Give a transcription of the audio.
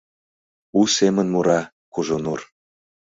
У семын мура Кужунур: